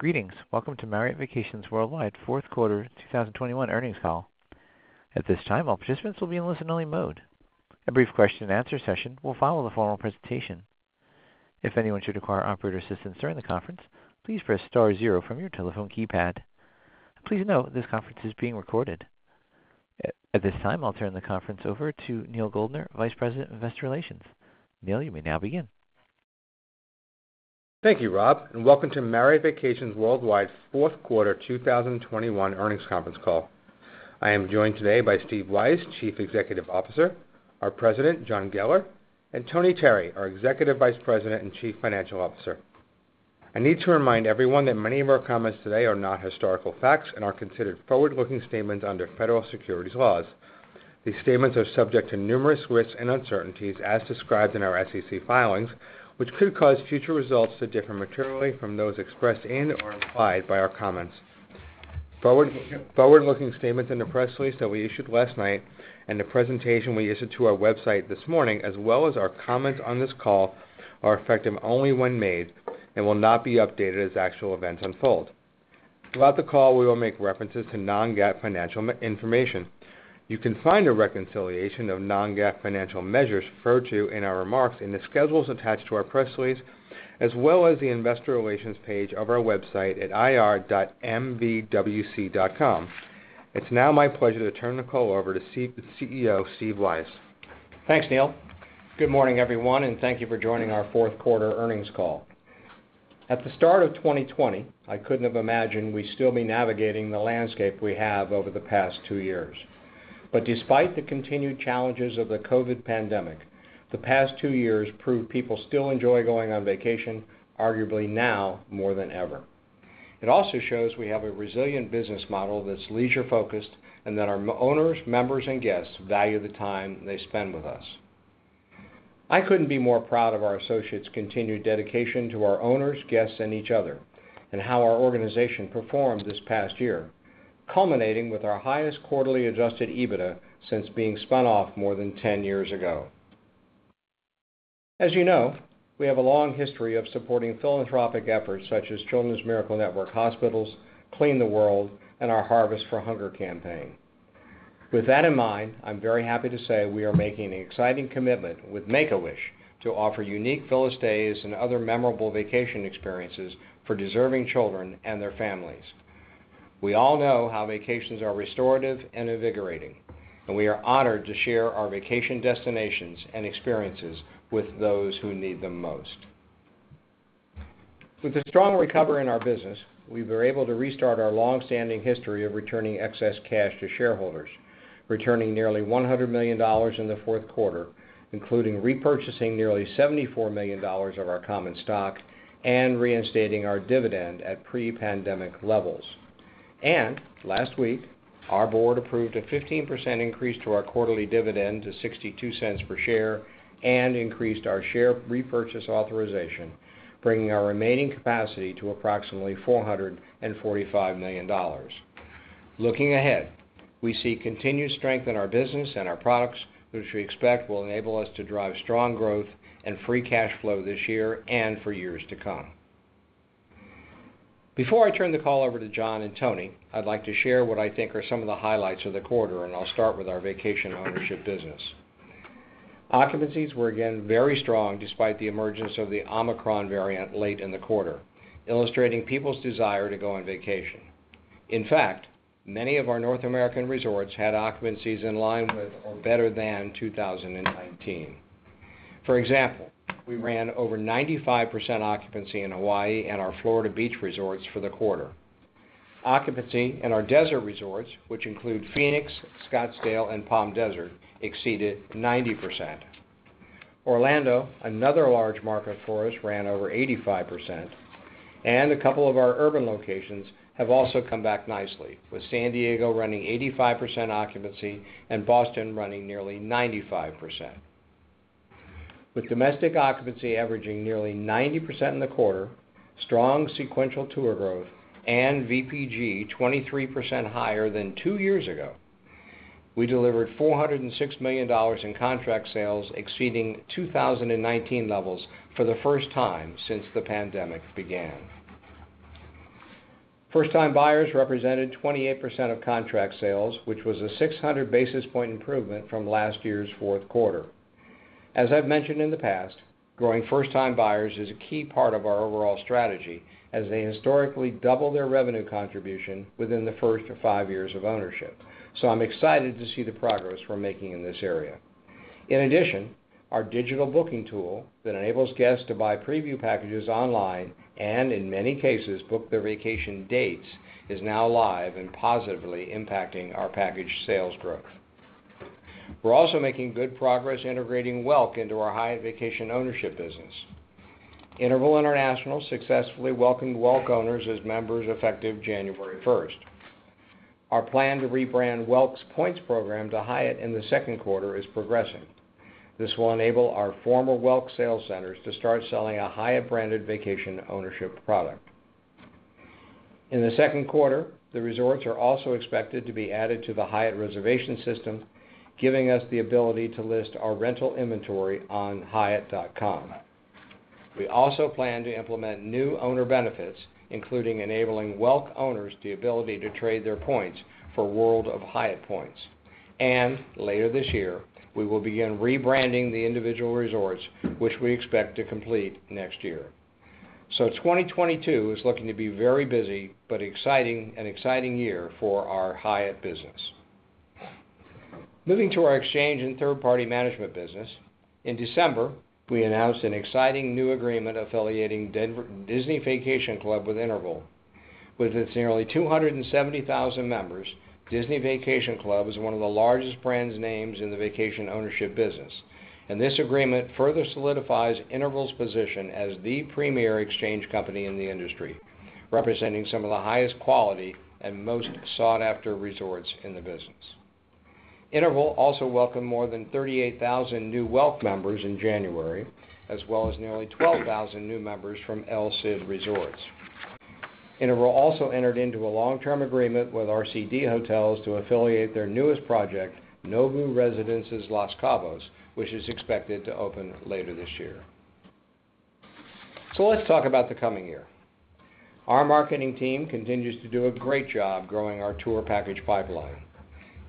Greetings. Welcome to Marriott Vacations Worldwide Fourth Quarter 2021 earnings call. At this time, all participants will be in listen-only mode. A brief question-and-answer session will follow the formal presentation. If anyone should require operator assistance during the conference, please press star zero from your telephone keypad. Please note this conference is being recorded. At this time, I'll turn the conference over to Neal Goldner, Vice President of Investor Relations. Neal, you may now begin. Thank you, Rob, and welcome to Marriott Vacations Worldwide Fourth Quarter 2021 earnings conference call. I am joined today by Steve Weisz, Chief Executive Officer, our President, John Geller, and Tony Terry, our Executive Vice President and Chief Financial Officer. I need to remind everyone that many of our comments today are not historical facts and are considered forward-looking statements under federal securities laws. These statements are subject to numerous risks and uncertainties as described in our SEC filings, which could cause future results to differ materially from those expressed and/or implied by our comments. Forward-looking statements in the press release that we issued last night and the presentation we issued to our website this morning as well as our comments on this call are effective only when made and will not be updated as actual events unfold. Throughout the call, we will make references to non-GAAP financial measures. You can find a reconciliation of non-GAAP financial measures referred to in our remarks in the schedules attached to our press release as well as the investor relations page of our website at ir.mvwc.com. It's now my pleasure to turn the call over to CEO Steve Weisz. Thanks, Neil. Good morning, everyone, and thank you for joining our fourth quarter earnings call. At the start of 2020, I couldn't have imagined we'd still be navigating the landscape we have over the past two years. Despite the continued challenges of the COVID pandemic, the past two years proved people still enjoy going on vacation, arguably now more than ever. It also shows we have a resilient business model that's leisure-focused and that our owners, members and guests value the time they spend with us. I couldn't be more proud of our associates' continued dedication to our owners, guests and each other and how our organization performed this past year, culminating with our highest quarterly adjusted EBITDA since being spun off more than 10 years ago. As you know, we have a long history of supporting philanthropic efforts such as Children's Miracle Network Hospitals, Clean the World, and our Harvest for Hunger campaign. With that in mind, I'm very happy to say we are making an exciting commitment with Make-A-Wish to offer unique Wish Days and other memorable vacation experiences for deserving children and their families. We all know how vacations are restorative and invigorating, and we are honored to share our vacation destinations and experiences with those who need them most. With the strong recovery in our business, we were able to restart our long-standing history of returning excess cash to shareholders, returning nearly $100 million in the fourth quarter, including repurchasing nearly $74 million of our common stock and reinstating our dividend at pre-pandemic levels. Last week, our board approved a 15% increase to our quarterly dividend to $0.62 per share and increased our share repurchase authorization, bringing our remaining capacity to approximately $445 million. Looking ahead, we see continued strength in our business and our products, which we expect will enable us to drive strong growth and free cash flow this year and for years to come. Before I turn the call over to John and Tony, I'd like to share what I think are some of the highlights of the quarter, and I'll start with our vacation ownership business. Occupancies were again very strong despite the emergence of the Omicron variant late in the quarter, illustrating people's desire to go on vacation. In fact, many of our North American resorts had occupancies in line with or better than 2019. For example, we ran over 95% occupancy in Hawaii and our Florida beach resorts for the quarter. Occupancy in our desert resorts, which include Phoenix, Scottsdale and Palm Desert, exceeded 90%. Orlando, another large market for us, ran over 85%. A couple of our urban locations have also come back nicely, with San Diego running 85% occupancy and Boston running nearly 95%. With domestic occupancy averaging nearly 90% in the quarter, strong sequential tour growth and VPG 23% higher than two years ago, we delivered $406 million in contract sales, exceeding 2019 levels for the first time since the pandemic began. First-time buyers represented 28% of contract sales, which was a 600 basis point improvement from last year's fourth quarter. As I've mentioned in the past, growing first-time buyers is a key part of our overall strategy as they historically double their revenue contribution within the first five years of ownership. I'm excited to see the progress we're making in this area. In addition, our digital booking tool that enables guests to buy preview packages online and, in many cases, book their vacation dates, is now live and positively impacting our package sales growth. We're also making good progress integrating Welk into our Hyatt Vacation Ownership business. Interval International successfully welcomed Welk owners as members effective January first. Our plan to rebrand Welk's Points program to Hyatt in the second quarter is progressing. This will enable our former Welk sales centers to start selling a Hyatt-branded vacation ownership product. In the second quarter, the resorts are also expected to be added to the Hyatt reservation system, giving us the ability to list our rental inventory on hyatt.com. We also plan to implement new owner benefits, including enabling Welk owners the ability to trade their points for World of Hyatt points. Later this year, we will begin rebranding the individual resorts, which we expect to complete next year. 2022 is looking to be very busy, but exciting, an exciting year for our Hyatt business. Moving to our exchange and third-party management business, in December, we announced an exciting new agreement affiliating Disney Vacation Club with Interval. With its nearly 270,000 members, Disney Vacation Club is one of the largest brand names in the vacation ownership business. This agreement further solidifies Interval's position as the premier exchange company in the industry, representing some of the highest quality and most sought-after resorts in the business. Interval also welcomed more than 38,000 new Welk members in January, as well as nearly 12,000 new members from El Cid Resorts. Interval also entered into a long-term agreement with RCD Hotels to affiliate their newest project, Nobu Residences Los Cabos, which is expected to open later this year. Let's talk about the coming year. Our marketing team continues to do a great job growing our tour package pipeline.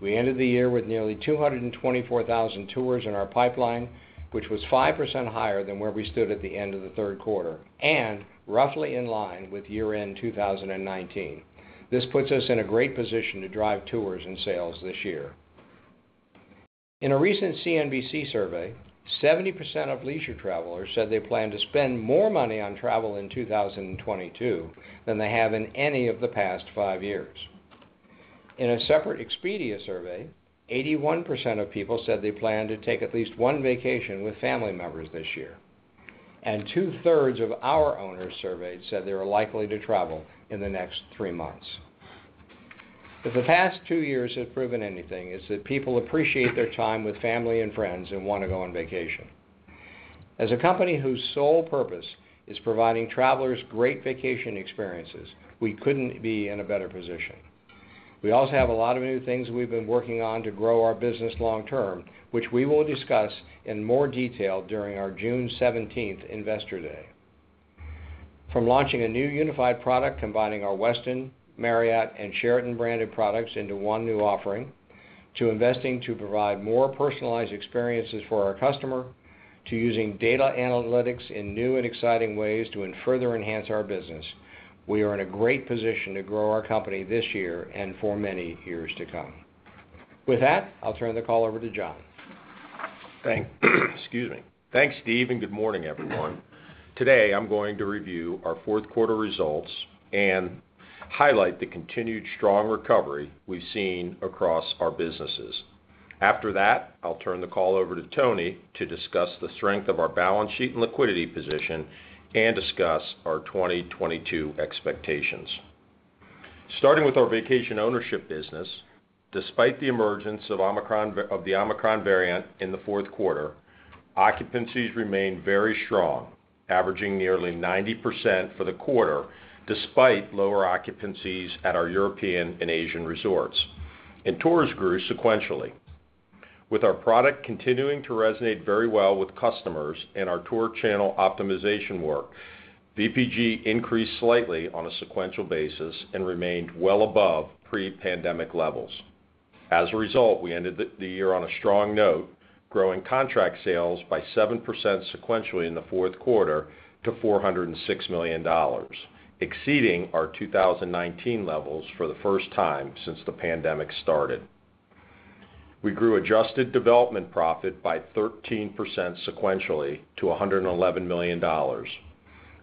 We ended the year with nearly 224,000 tours in our pipeline, which was 5% higher than where we stood at the end of the third quarter, and roughly in line with year-end 2019. This puts us in a great position to drive tours and sales this year. In a recent CNBC survey, 70% of leisure travelers said they plan to spend more money on travel in 2022 than they have in any of the past five years. In a separate Expedia survey, 81% of people said they plan to take at least one vacation with family members this year. Two-thirds of our owners surveyed said they were likely to travel in the next three months. If the past two years have proven anything, it's that people appreciate their time with family and friends and wanna go on vacation. As a company whose sole purpose is providing travelers great vacation experiences, we couldn't be in a better position. We also have a lot of new things we've been working on to grow our business long term, which we will discuss in more detail during our June seventeenth investor day. From launching a new unified product combining our Westin, Marriott, and Sheraton branded products into one new offering, to investing to provide more personalized experiences for our customer, to using data analytics in new and exciting ways to further enhance our business, we are in a great position to grow our company this year and for many years to come. With that, I'll turn the call over to John. Excuse me. Thanks, Steve, and good morning, everyone. Today, I'm going to review our fourth quarter results and highlight the continued strong recovery we've seen across our businesses. After that, I'll turn the call over to Tony to discuss the strength of our balance sheet and liquidity position and discuss our 2022 expectations. Starting with our vacation ownership business, despite the emergence of the Omicron variant in the fourth quarter, occupancies remained very strong, averaging nearly 90% for the quarter, despite lower occupancies at our European and Asian resorts. Tours grew sequentially. With our product continuing to resonate very well with customers and our tour channel optimization work, VPG increased slightly on a sequential basis and remained well above pre-pandemic levels. As a result, we ended the year on a strong note, growing contract sales by 7% sequentially in the fourth quarter to $406 million, exceeding our 2019 levels for the first time since the pandemic started. We grew adjusted development profit by 13% sequentially to $111 million.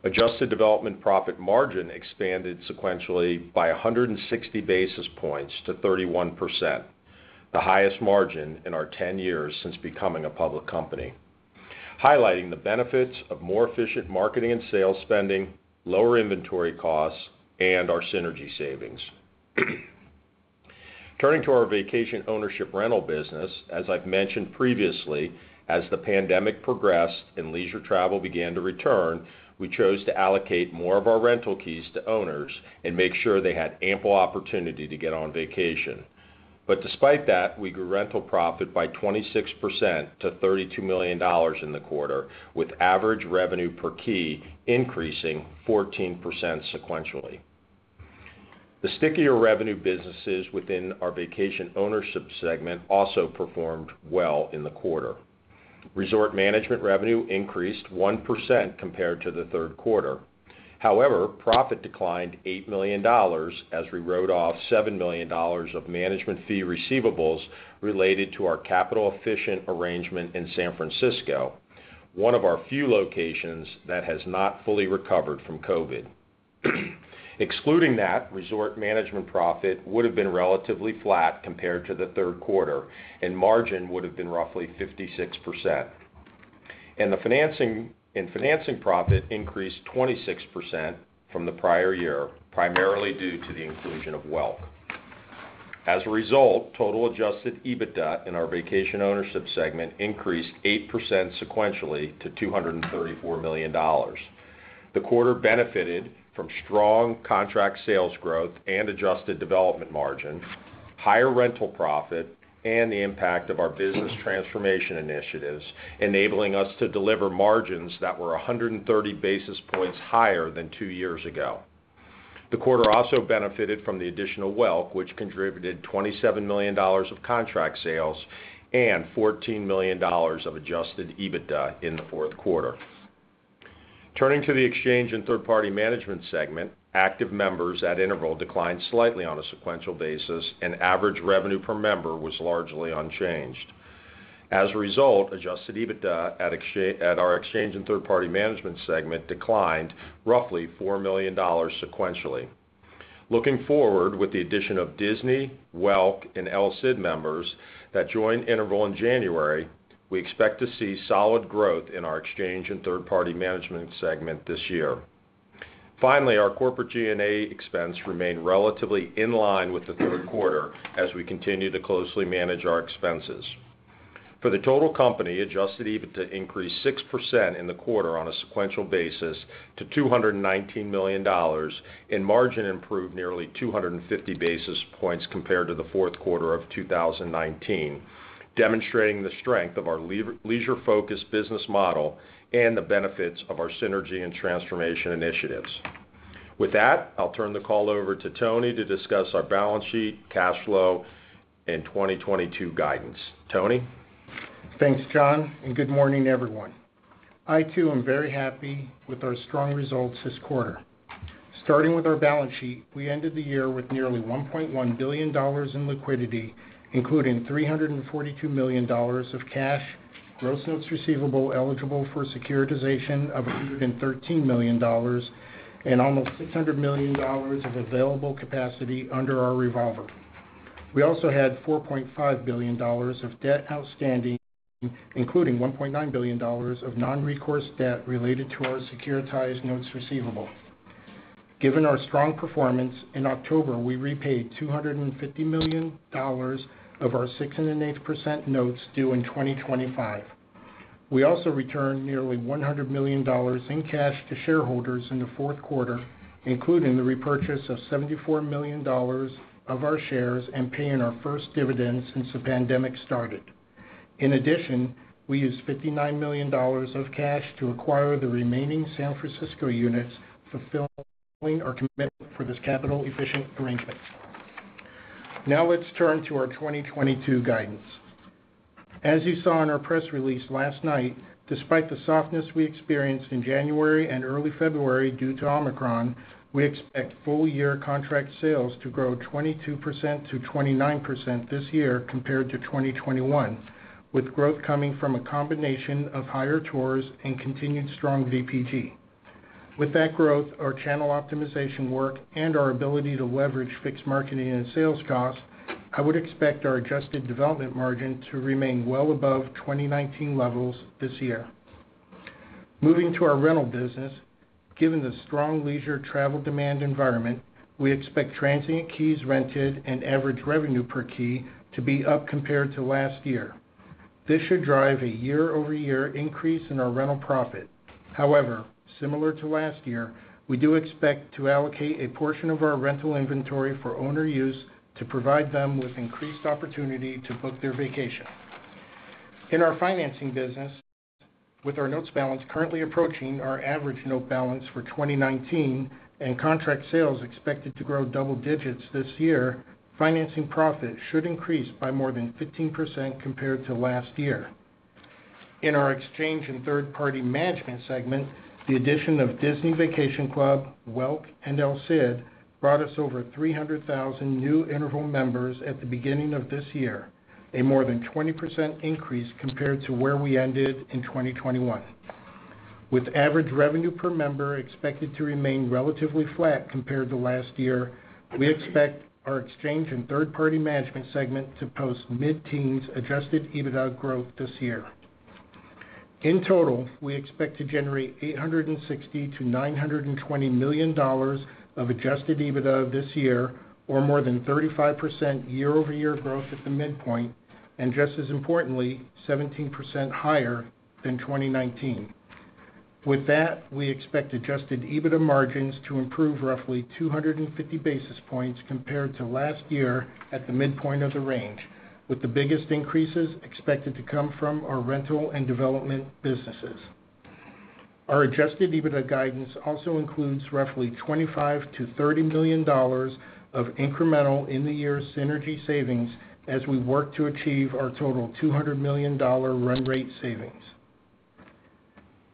Adjusted development profit margin expanded sequentially by 160 basis points to 31%, the highest margin in our 10 years since becoming a public company, highlighting the benefits of more efficient marketing and sales spending, lower inventory costs, and our synergy savings. Turning to our vacation ownership rental business, as I've mentioned previously, as the pandemic progressed and leisure travel began to return, we chose to allocate more of our rental keys to owners and make sure they had ample opportunity to get on vacation. Despite that, we grew rental profit by 26% to $32 million in the quarter, with average revenue per key increasing 14% sequentially. The stickier revenue businesses within our vacation ownership segment also performed well in the quarter. Resort management revenue increased 1% compared to the third quarter. However, profit declined $8 million as we wrote off $7 million of management fee receivables related to our capital-efficient arrangement in San Francisco, one of our few locations that has not fully recovered from COVID. Excluding that, resort management profit would have been relatively flat compared to the third quarter, and margin would have been roughly 56%. In the financing and financing profit increased 26% from the prior year, primarily due to the inclusion of Welk. As a result, total adjusted EBITDA in our vacation ownership segment increased 8% sequentially to $234 million. The quarter benefited from strong contract sales growth and adjusted development margin, higher rental profit, and the impact of our business transformation initiatives, enabling us to deliver margins that were 130 basis points higher than two years ago. The quarter also benefited from the additional Welk, which contributed $27 million of contract sales and $14 million of Adjusted EBITDA in the fourth quarter. Turning to the exchange and third-party management segment, active members at Interval declined slightly on a sequential basis, and average revenue per member was largely unchanged. As a result, Adjusted EBITDA at our exchange and third-party management segment declined roughly $4 million sequentially. Looking forward, with the addition of Disney, Welk, and El Cid members that joined Interval in January, we expect to see solid growth in our exchange and third-party management segment this year. Finally, our corporate G&A expense remained relatively in line with the third quarter as we continue to closely manage our expenses. For the total company, Adjusted EBITDA increased 6% in the quarter on a sequential basis to $219 million and margin improved nearly 250 basis points compared to the fourth quarter of 2019, demonstrating the strength of our leisure-focused business model and the benefits of our synergy and transformation initiatives. With that, I'll turn the call over to Tony to discuss our balance sheet, cash flow, and 2022 guidance. Tony? Thanks, John, and good morning, everyone. I too am very happy with our strong results this quarter. Starting with our balance sheet, we ended the year with nearly $1.1 billion in liquidity, including $342 million of cash, gross notes receivable eligible for securitization of $113 million, and almost $600 million of available capacity under our revolver. We also had $4.5 billion of debt outstanding, including $1.9 billion of non-recourse debt related to our securitized notes receivable. Given our strong performance, in October, we repaid $250 million of our 6.8% notes due in 2025. We also returned nearly $100 million in cash to shareholders in the fourth quarter, including the repurchase of $74 million of our shares and paying our first dividend since the pandemic started. In addition, we used $59 million of cash to acquire the remaining San Francisco units, fulfilling our commitment for this capital-efficient arrangement. Now let's turn to our 2022 guidance. As you saw in our press release last night, despite the softness we experienced in January and early February due to Omicron, we expect full year contract sales to grow 22%-29% this year compared to 2021, with growth coming from a combination of higher tours and continued strong VPG. With that growth, our channel optimization work, and our ability to leverage fixed marketing and sales costs, I would expect our adjusted development margin to remain well above 2019 levels this year. Moving to our rental business, given the strong leisure travel demand environment, we expect transient keys rented and average revenue per key to be up compared to last year. This should drive a year-over-year increase in our rental profit. However, similar to last year, we do expect to allocate a portion of our rental inventory for owner use to provide them with increased opportunity to book their vacation. In our financing business, with our notes balance currently approaching our average note balance for 2019 and contract sales expected to grow double digits this year, financing profit should increase by more than 15% compared to last year. In our exchange and third-party management segment, the addition of Disney Vacation Club, Welk and El Cid brought us over 300,000 new Interval members at the beginning of this year, a more than 20% increase compared to where we ended in 2021. With average revenue per member expected to remain relatively flat compared to last year, we expect our exchange and third-party management segment to post mid-teens Adjusted EBITDA growth this year. In total, we expect to generate $860 million-$920 million of Adjusted EBITDA this year or more than 35% year-over-year growth at the midpoint and just as importantly, 17% higher than 2019. With that, we expect Adjusted EBITDA margins to improve roughly 250 basis points compared to last year at the midpoint of the range, with the biggest increases expected to come from our rental and development businesses. Our Adjusted EBITDA guidance also includes roughly $25 million-$30 million of incremental in the year synergy savings as we work to achieve our total $200 million run rate savings.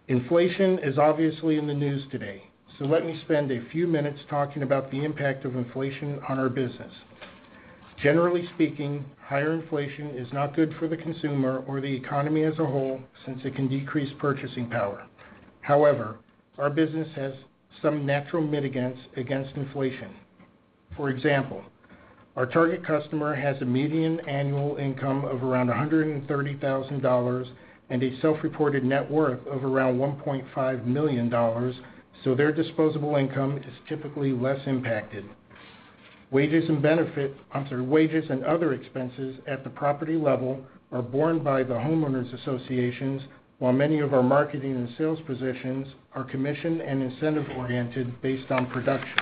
Inflation is obviously in the news today, so let me spend a few minutes talking about the impact of inflation on our business. Generally speaking, higher inflation is not good for the consumer or the economy as a whole since it can decrease purchasing power. However, our business has some natural mitigants against inflation. For example, our target customer has a median annual income of around $130,000 and a self-reported net worth of around $1.5 million, so their disposable income is typically less impacted. Wages and other expenses at the property level are borne by the homeowners associations, while many of our marketing and sales positions are commission and incentive-oriented based on production.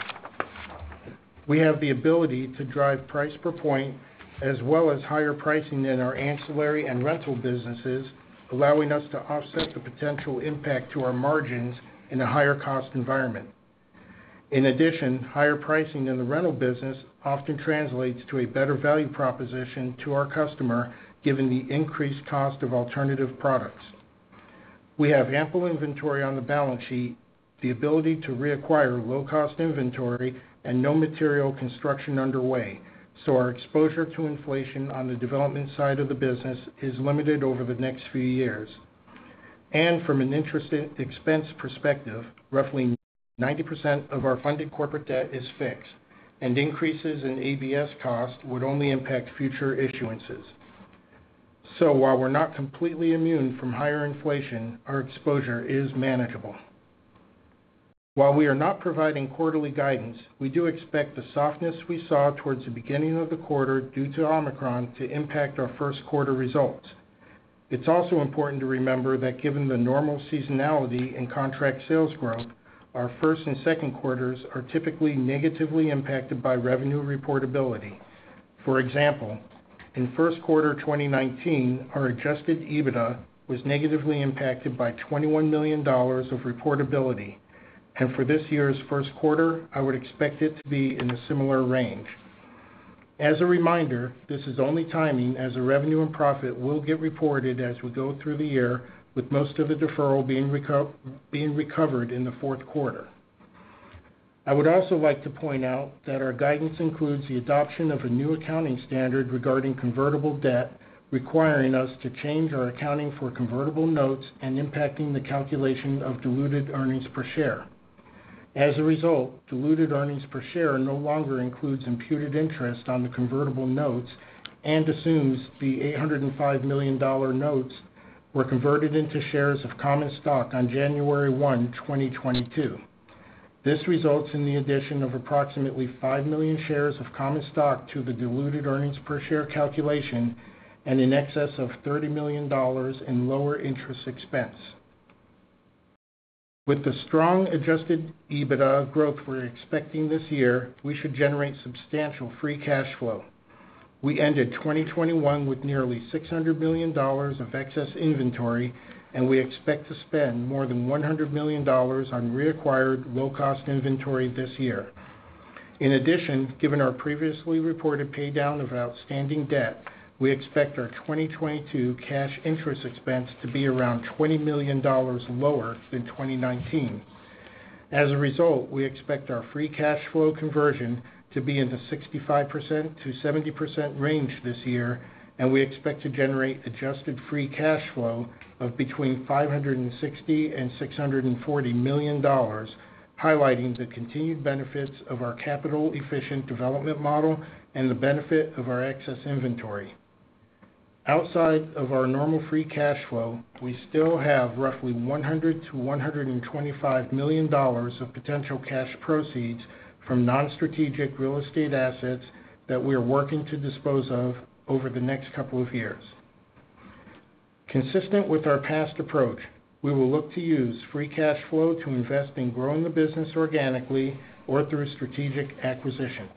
We have the ability to drive price per point as well as higher pricing in our ancillary and rental businesses, allowing us to offset the potential impact to our margins in a higher-cost environment. In addition, higher pricing in the rental business often translates to a better value proposition to our customer, given the increased cost of alternative products. We have ample inventory on the balance sheet, the ability to reacquire low-cost inventory, and no material construction underway, so our exposure to inflation on the development side of the business is limited over the next few years. From an interest expense perspective, roughly 90% of our funded corporate debt is fixed, and increases in ABS cost would only impact future issuances. While we're not completely immune from higher inflation, our exposure is manageable. While we are not providing quarterly guidance, we do expect the softness we saw towards the beginning of the quarter due to Omicron to impact our first quarter results. It's also important to remember that given the normal seasonality in contract sales growth, our first and second quarters are typically negatively impacted by revenue reportability. For example, in first quarter 2019, our Adjusted EBITDA was negatively impacted by $21 million of repatriation. For this year's first quarter, I would expect it to be in a similar range. As a reminder, this is only timing, as the revenue and profit will get reported as we go through the year, with most of the deferral being recovered in the fourth quarter. I would also like to point out that our guidance includes the adoption of a new accounting standard regarding convertible debt, requiring us to change our accounting for convertible notes and impacting the calculation of diluted earnings per share. As a result, diluted earnings per share no longer includes imputed interest on the convertible notes and assumes the $805 million notes were converted into shares of common stock on January 1, 2022. This results in the addition of approximately 5 million shares of common stock to the diluted earnings per share calculation and in excess of $30 million in lower interest expense. With the strong Adjusted EBITDA growth we're expecting this year, we should generate substantial free cash flow. We ended 2021 with nearly $600 million of excess inventory, and we expect to spend more than $100 million on reacquired low-cost inventory this year. In addition, given our previously reported pay-down of outstanding debt, we expect our 2022 cash interest expense to be around $20 million lower than 2019. As a result, we expect our free cash flow conversion to be in the 65%-70% range this year, and we expect to generate adjusted free cash flow of between $560 million and $640 million, highlighting the continued benefits of our capital-efficient development model and the benefit of our excess inventory. Outside of our normal free cash flow, we still have roughly $100 million-$125 million of potential cash proceeds from non-strategic real estate assets that we are working to dispose of over the next couple of years. Consistent with our past approach, we will look to use free cash flow to invest in growing the business organically or through strategic acquisitions.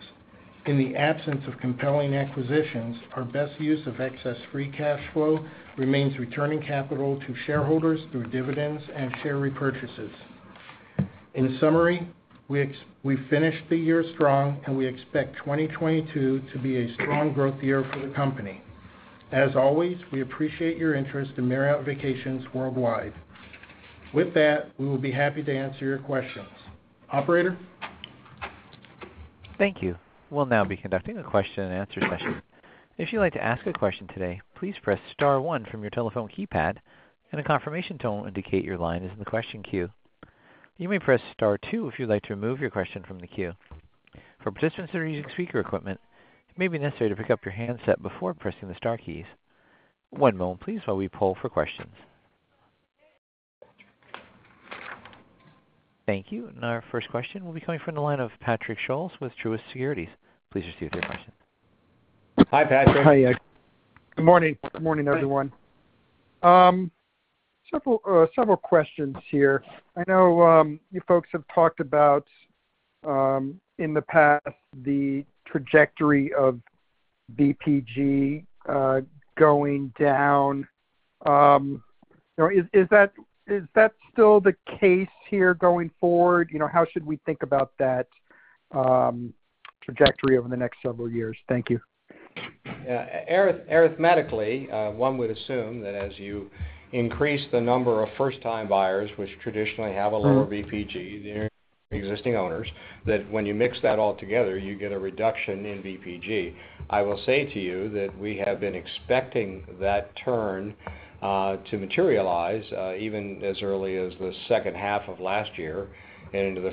In the absence of compelling acquisitions, our best use of excess free cash flow remains returning capital to shareholders through dividends and share repurchases. In summary, we finished the year strong, and we expect 2022 to be a strong growth year for the company. As always, we appreciate your interest in Marriott Vacations Worldwide. With that, we will be happy to answer your questions. Operator? Thank you. We'll now be conducting a question and answer session. If you'd like to ask a question today, please press star one from your telephone keypad, and a confirmation tone will indicate your line is in the question queue. You may press star two if you'd like to remove your question from the queue. For participants that are using speaker equipment, it may be necessary to pick up your handset before pressing the star keys. One moment, please, while we poll for questions. Thank you. Our first question will be coming from the line of Patrick Scholes with Truist Securities. Please proceed with your question. Hi, Patrick. Hi. Good morning. Good morning, everyone. Several questions here. I know you folks have talked about in the past the trajectory of VPG going down. Is that still the case here going forward? How should we think about that trajectory over the next several years? Thank you. Yeah, arithmetically, one would assume that as you increase the number of first-time buyers, which traditionally have a lower VPG than your existing owners, that when you mix that all together, you get a reduction in VPG. I will say to you that we have been expecting that turn to materialize, even as early as the second half of last year and into the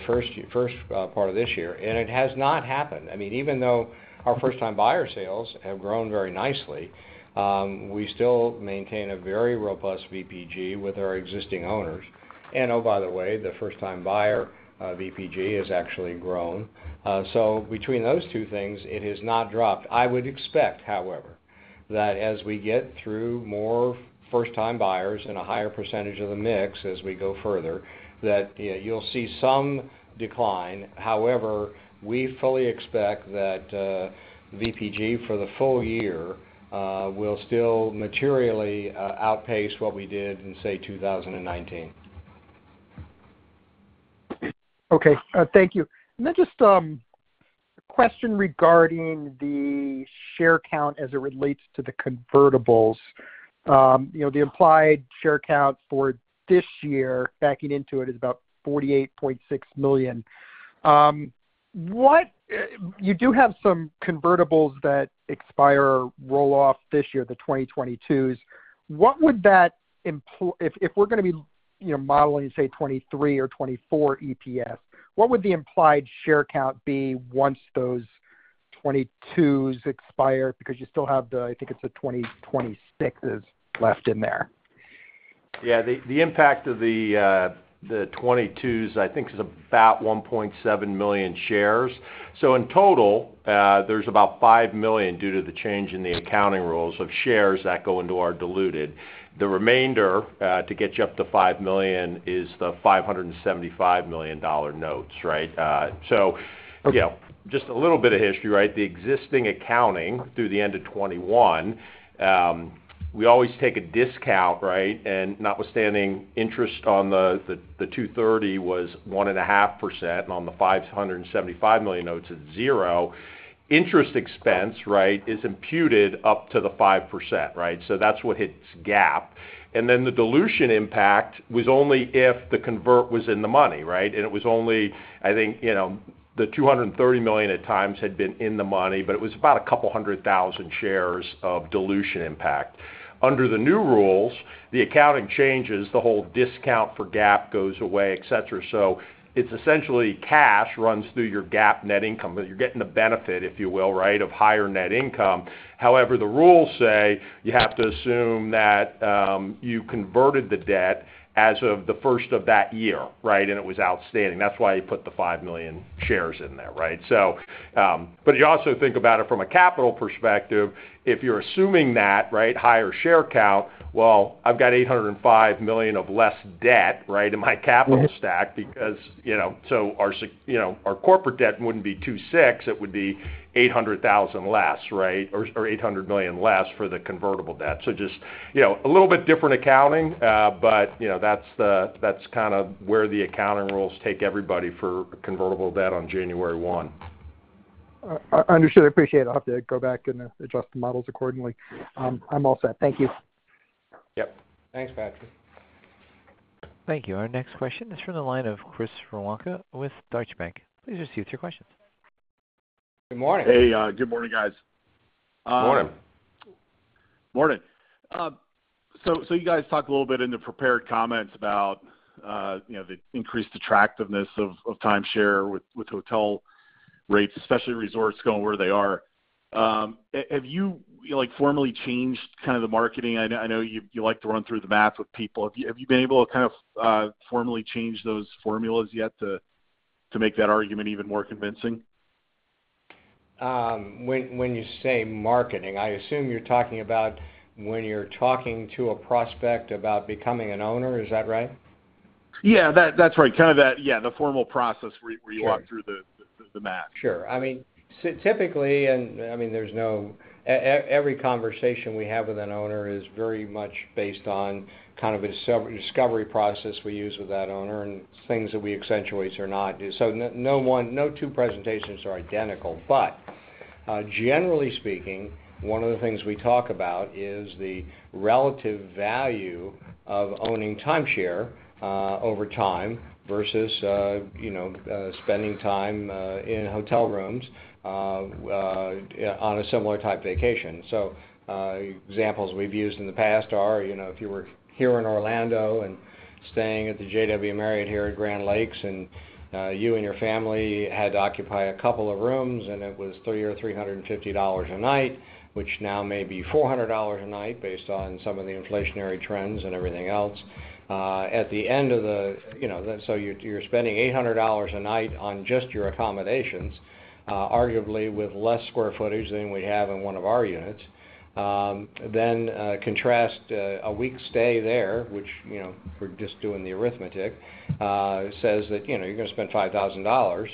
first part of this year, and it has not happened. I mean, even though our first-time buyer sales have grown very nicely, we still maintain a very robust VPG with our existing owners. Oh, by the way, the first-time buyer VPG has actually grown. Between those two things, it has not dropped. I would expect, however, that as we get through more first-time buyers and a higher percentage of the mix as we go further, that, you know, you'll see some decline. However, we fully expect that VPG for the full year will still materially outpace what we did in, say, 2019. Okay. Thank you. Just a question regarding the share count as it relates to the convertibles. You know, the implied share count for this year backing into it is about 48.6 million. You do have some convertibles that expire roll-off this year, the 2022s. If we're gonna be, you know, modeling in, say, 2023 or 2024 EPS, what would the implied share count be once those 2022s expire? Because you still have the, I think, it's the 2026s left in there. Yeah. The impact of the 2022s, I think, is about 1.7 million shares. In total, there's about 5 million due to the change in the accounting rules of shares that go into our diluted. The remainder to get you up to 5 million is the $575 million notes, right? Okay. You know, just a little bit of history, right? The existing accounting through the end of 2021, we always take a discount, right? Notwithstanding interest on the 230 was 1.5%, and on the $575 million notes, it's zero. Interest expense, right, is imputed up to the 5%, right? That's what hits GAAP. The dilution impact was only if the convert was in the money, right? It was only, I think, you know, the $230 million at times had been in the money, but it was about a couple hundred thousand shares of dilution impact. Under the new rules, the accounting changes, the whole discount for GAAP goes away, etc. It's essentially cash runs through your GAAP net income, but you're getting the benefit, if you will, right, of higher net income. However, the rules say you have to assume that, you converted the debt as of the first of that year, right, and it was outstanding. That's why you put the 5 million shares in there, right? But you also think about it from a capital perspective, if you're assuming that, right, higher share count, well, I've got $805 million less debt, right, in my capital stack because, you know, so our you know, our corporate debt wouldn't be $2.6 billion, it would be $800 thousand less, right? Or $800 million less for the convertible debt. Just, you know, a little bit different accounting, but, you know, that's kind of where the accounting rules take everybody for convertible debt on January one. Understood. I appreciate it. I'll have to go back and adjust the models accordingly. I'm all set. Thank you. Yep. Thanks, Patrick. Thank you. Our next question is from the line of Chris Woronka with Deutsche Bank. Please proceed with your questions. Good morning. Hey, good morning, guys. Morning. Morning. You guys talked a little bit in the prepared comments about you know the increased attractiveness of timeshare with hotel rates, especially resorts going where they are. Have you like formally changed kind of the marketing? I know you like to run through the math with people. Have you been able to kind of formally change those formulas yet to make that argument even more convincing? When you say marketing, I assume you're talking about when you're talking to a prospect about becoming an owner. Is that right? Yeah. That's right. The formal process where you- Sure. walk through the math. Sure. I mean, typically, I mean, every conversation we have with an owner is very much based on kind of a needs-discovery process we use with that owner and things that we accentuate or not do. No two presentations are identical. Generally speaking, one of the things we talk about is the relative value of owning timeshare over time versus you know spending time in hotel rooms on a similar type vacation. Examples we've used in the past are, you know, if you were here in Orlando and staying at the JW Marriott here at Grande Lakes, and you and your family had to occupy a couple of rooms, and it was $350 a night, which now may be $400 a night based on some of the inflationary trends and everything else. At the end of the week, you know, you're spending $800 a night on just your accommodations, arguably with less square footage than we have in one of our units. Contrast a week stay there, which, you know, if we're just doing the arithmetic, says that, you know, you're gonna spend $5,000.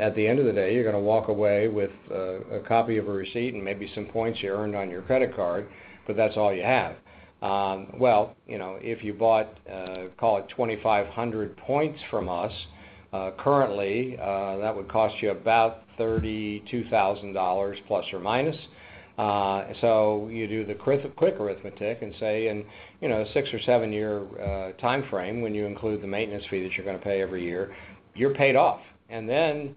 At the end of the day, you're gonna walk away with a copy of a receipt and maybe some points you earned on your credit card, but that's all you have. Well, you know, if you bought, call it 2,500 points from us, currently, that would cost you about $32,000 ±. So you do the quick arithmetic and say in, you know, six or seven year timeframe, when you include the maintenance fee that you're gonna pay every year, you're paid off. Then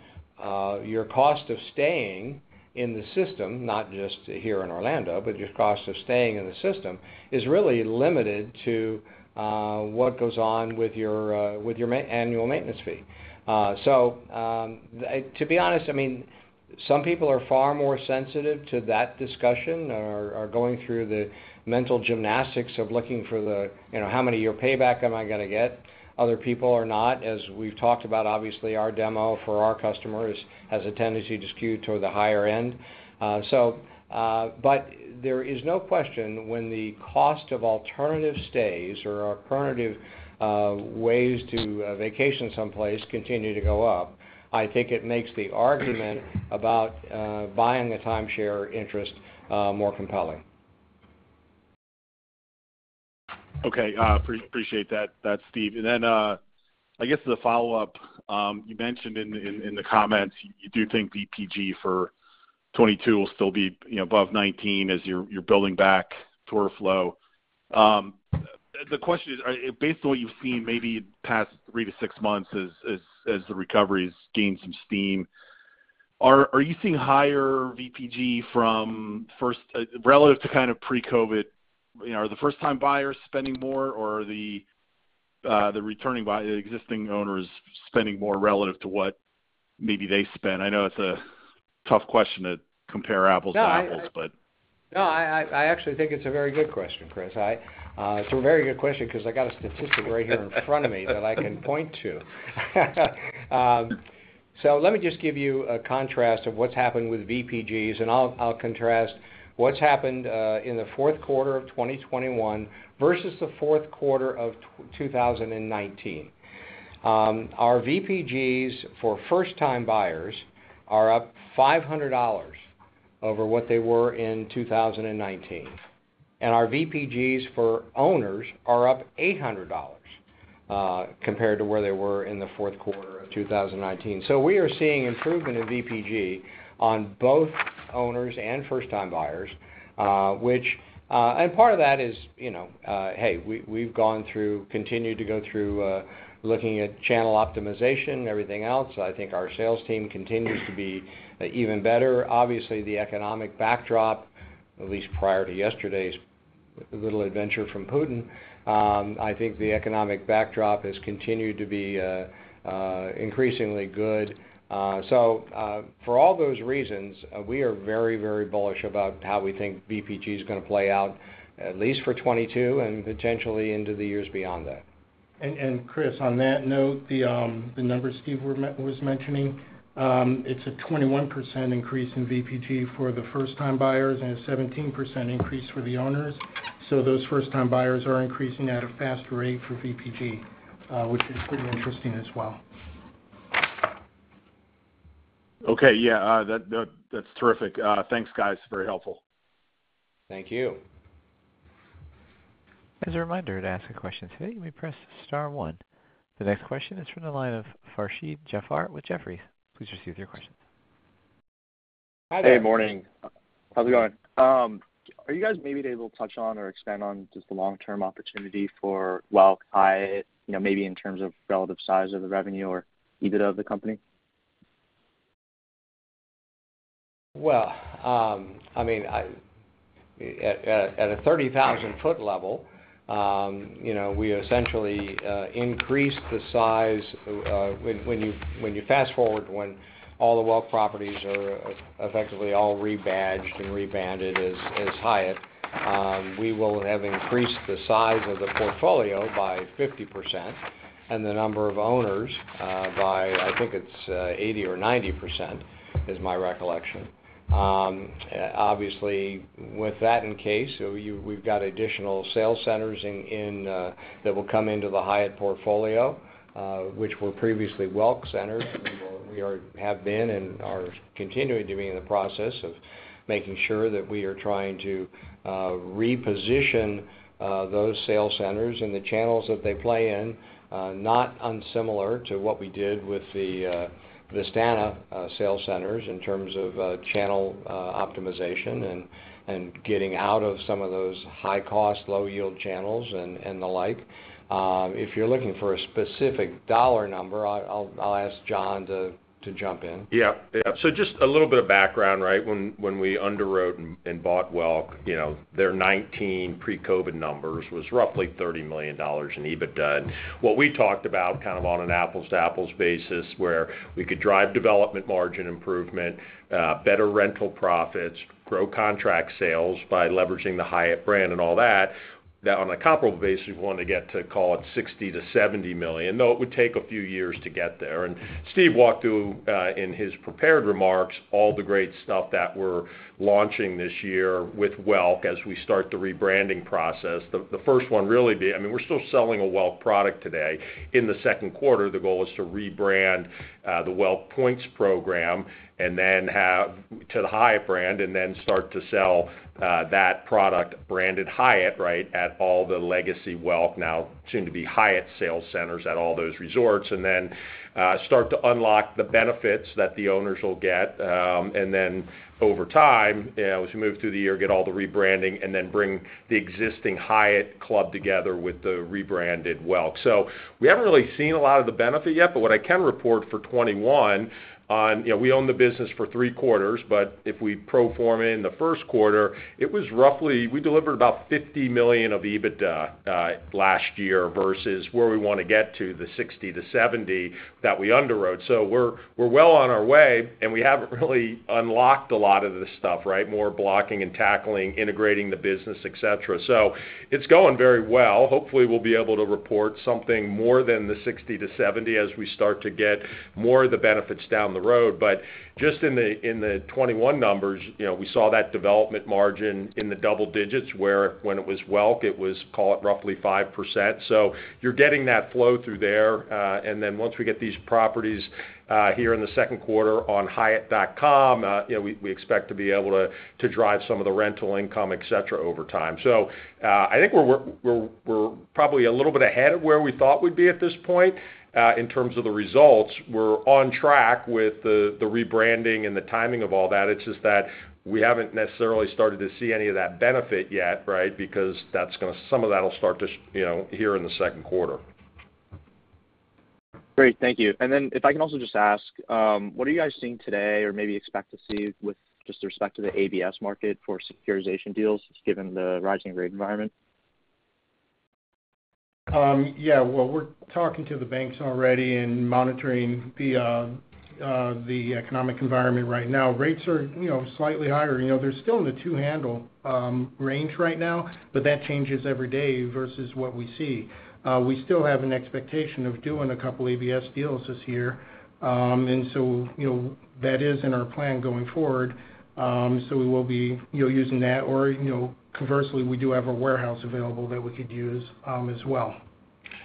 your cost of staying in the system, not just here in Orlando, but your cost of staying in the system is really limited to what goes on with your annual maintenance fee. To be honest, I mean, some people are far more sensitive to that discussion or are going through the mental gymnastics of looking for the, you know, how many year payback am I gonna get? Other people are not. As we've talked about, obviously, our demo for our customers has a tendency to skew toward the higher end. But there is no question when the cost of alternative stays or alternative ways to vacation someplace continue to go up, I think it makes the argument about buying the timeshare interest more compelling. Okay. Appreciate that, Steve. I guess as a follow-up, you mentioned in the comments you do think VPG for 2022 will still be, you know, above 2019 as you're building back tour flow. The question is, are based on what you've seen maybe the past three to six months as the recovery's gained some steam, are you seeing higher VPG from first-time relative to kind of pre-COVID, you know, are the first time buyers spending more or are the returning buyers the existing owners spending more relative to what maybe they spent? I know it's a tough question to compare apples to apples, but. No, I actually think it's a very good question, Chris. It's a very good question because I got a statistic right here in front of me that I can point to. Let me just give you a contrast of what's happened with VPGs, and I'll contrast what's happened in the fourth quarter of 2021 versus the fourth quarter of 2019. Our VPGs for first time buyers are up $500 over what they were in 2019, and our VPGs for owners are up $800 compared to where they were in the fourth quarter of 2019. We are seeing improvement in VPG on both owners and first-time buyers, which and part of that is, you know, hey, we've gone through, continued to go through, looking at channel optimization, everything else. I think our sales team continues to be even better. Obviously, the economic backdrop, at least prior to yesterday's little adventure from Putin, I think the economic backdrop has continued to be increasingly good. For all those reasons, we are very, very bullish about how we think VPG is gonna play out, at least for 2022 and potentially into the years beyond that. Chris, on that note, the numbers Steve was mentioning, it's a 21% increase in VPG for the first time buyers and a 17% increase for the owners. Those first time buyers are increasing at a faster rate for VPG, which is pretty interesting as well. Okay. Yeah. That's terrific. Thanks, guys. Very helpful. Thank you. As a reminder, to ask a question today, you may press star one. The next question is from the line of Farshid Javar with Jefferies. Please proceed with your question. Hi there. Hey, morning. How's it going? Are you guys maybe able to touch on or expand on just the long term opportunity for Welk by, you know, maybe in terms of relative size of the revenue or EBIT of the company? Well, I mean, at a 30,000-foot level, you know, we essentially increase the size when you fast forward when all the Welk properties are effectively all rebadged and rebranded as Hyatt, we will have increased the size of the portfolio by 50% and the number of owners by I think it's 80% or 90% is my recollection. Obviously with that increase, we've got additional sales centers that will come into the Hyatt portfolio, which were previously Welk centers. We are, have been and are continuing to be in the process of making sure that we are trying to reposition those sales centers and the channels that they play in, not unsimilar to what we did with the Vistana sales centers in terms of channel optimization and getting out of some of those high cost, low yield channels and the like. If you're looking for a specific dollar number, I'll ask John to jump in. Just a little bit of background, right? When we underwrote and bought Welk, you know, their 2019 pre-COVID numbers was roughly $30 million in EBITDA. What we talked about kind of on an apples to apples basis where we could drive development margin improvement, better rental profits, grow contract sales by leveraging the Hyatt brand and all that on a comparable basis, we want to get to call it $60 million-$70 million, though it would take a few years to get there. Steve walked through in his prepared remarks, all the great stuff that we're launching this year with Welk as we start the rebranding process. I mean, we're still selling a Welk product today. In the second quarter, the goal is to rebrand the Welk points program and then have it to the Hyatt brand and then start to sell that product branded Hyatt, right, at all the legacy Welk now soon to be Hyatt sales centers at all those resorts. Then start to unlock the benefits that the owners will get and then over time, you know, as we move through the year, get all the rebranding and then bring the existing Hyatt club together with the rebranded Welk. We haven't really seen a lot of the benefit yet, but what I can report for 2021 on, you know, we own the business for three quarters, but if we pro forma in the first quarter, it was roughly, we delivered about $50 million of EBITDA last year versus where we want to get to, the $60-$70 that we underwrote. We're well on our way, and we haven't really unlocked a lot of this stuff, right? More blocking and tackling, integrating the business, et cetera. It's going very well. Hopefully, we'll be able to report something more than the $60-$70 as we start to get more of the benefits down the road. Just in the 2021 numbers, you know, we saw that development margin in the double digits where when it was Welk, it was, call it, roughly 5%. You're getting that flow through there, and then once we get these properties here in the second quarter on hyatt.com, you know, we expect to be able to drive some of the rental income, et cetera, over time. I think we're probably a little bit ahead of where we thought we'd be at this point in terms of the results. We're on track with the rebranding and the timing of all that. It's just that we haven't necessarily started to see any of that benefit yet, right? Because some of that'll start to, you know, here in the second quarter. Great. Thank you. If I can also just ask, what are you guys seeing today or maybe expect to see with respect to the ABS market for securitization deals given the rising rate environment? Yeah. Well, we're talking to the banks already and monitoring the economic environment right now. Rates are, you know, slightly higher. You know, they're still in the two handle range right now, but that changes every day versus what we see. We still have an expectation of doing a couple ABS deals this year. You know, that is in our plan going forward. We will be, you know, using that or, you know, conversely, we do have a warehouse available that we could use as well.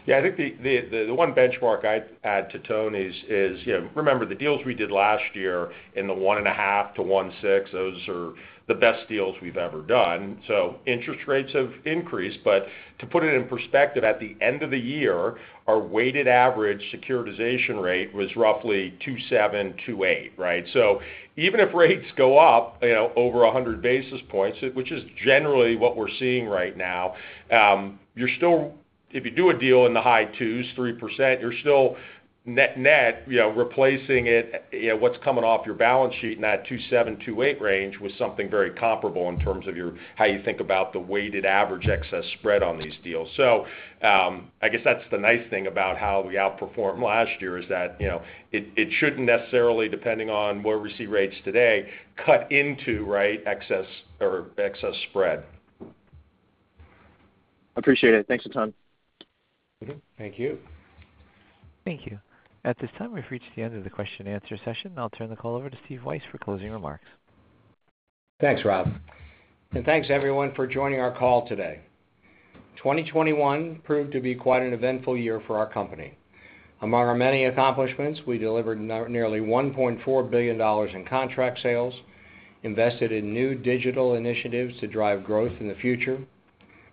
Yeah. I think the one benchmark I'd add to Tony's is, you know, remember the deals we did last year in the 1.5-1.6, those are the best deals we've ever done. Interest rates have increased. To put it in perspective, at the end of the year, our weighted average securitization rate was roughly 2.7-2.8, right? Even if rates go up, you know, over 100 basis points, which is generally what we're seeing right now, you're still, if you do a deal in the high 2s, 3%, you're still net, you know, replacing it, you know, what's coming off your balance sheet in that 2.7-2.8 range with something very comparable in terms of your, how you think about the weighted average excess spread on these deals. I guess that's the nice thing about how we outperformed last year is that, you know, it shouldn't necessarily, depending on where we see rates today, cut into, right, excess or excess spread. Appreciate it. Thanks a ton. Thank you. Thank you. At this time, we've reached the end of the question and answer session. I'll turn the call over to Steve Weisz for closing remarks. Thanks, Rob. Thanks everyone for joining our call today. 2021 proved to be quite an eventful year for our company. Among our many accomplishments, we delivered nearly $1.4 billion in contract sales, invested in new digital initiatives to drive growth in the future,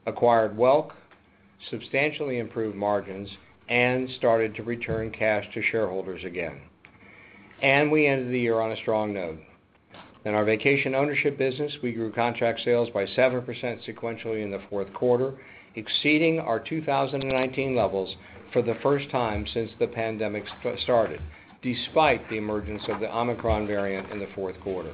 acquired Welk, substantially improved margins, and started to return cash to shareholders again. We ended the year on a strong note. In our vacation ownership business, we grew contract sales by 7% sequentially in the fourth quarter, exceeding our 2019 levels for the first time since the pandemic started, despite the emergence of the Omicron variant in the fourth quarter.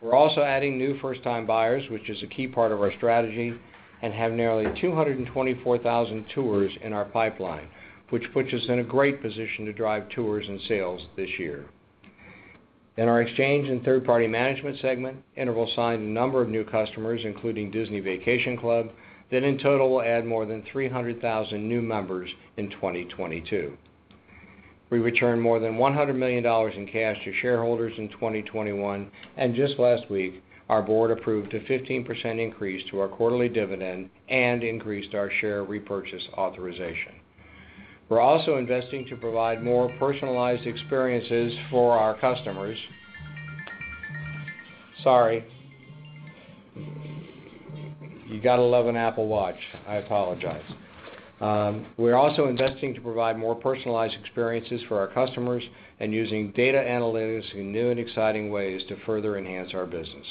We're also adding new first-time buyers, which is a key part of our strategy, and have nearly 224,000 tours in our pipeline, which puts us in a great position to drive tours and sales this year. In our exchange and third-party management segment, Interval signed a number of new customers, including Disney Vacation Club, that in total will add more than 300,000 new members in 2022. We returned more than $100 million in cash to shareholders in 2021, and just last week, our board approved a 15% increase to our quarterly dividend and increased our share repurchase authorization. We're also investing to provide more personalized experiences for our customers. Sorry. You gotta love an Apple Watch. I apologize. We're also investing to provide more personalized experiences for our customers and using data analytics in new and exciting ways to further enhance our business.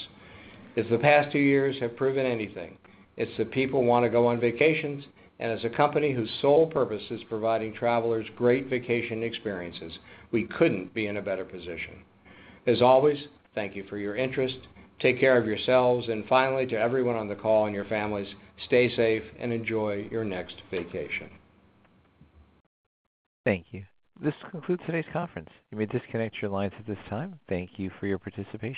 If the past two years have proven anything, it's that people wanna go on vacations. As a company whose sole purpose is providing travelers great vacation experiences, we couldn't be in a better position. As always, thank you for your interest, take care of yourselves, and finally, to everyone on the call and your families, stay safe and enjoy your next vacation. Thank you. This concludes today's conference. You may disconnect your lines at this time. Thank you for your participation.